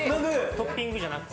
トッピングじゃなくて？